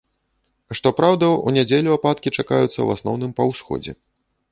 Што праўда, у нядзелю ападкі чакаюцца ў асноўным па ўсходзе.